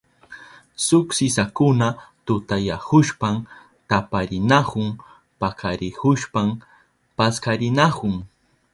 Shuk sisakuna tutayahushpan taparinahun pakarihushpan paskarinahun.